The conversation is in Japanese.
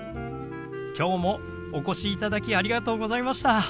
今日もお越しいただきありがとうございました。